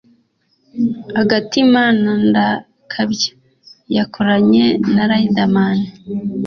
’Agatima’ na ’Ndakabya’ yakoranye na Riderman